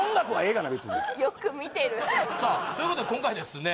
がなよく見てるということで今回ですね